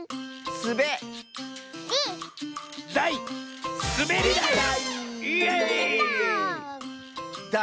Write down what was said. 「すべりだい」！